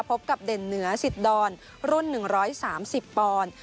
พบกับเด่นเหนือสิทธิ์ดอนรุ่นหนึ่งร้อยสามสิบปอนด์